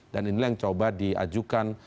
dan inilah yang coba diajukan